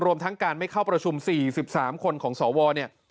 รวมทั้งการไม่เข้าประชุม๔๓คนของสวเนี่ย